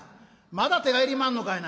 まだ手がいりまんのかいな」。